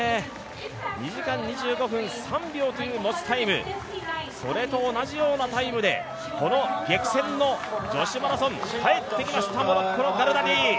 ２時間２５分３秒という持ちタイム、それと同じようなタイムで、この激戦の女子マラソン帰ってきました、モロッコのガルダディ。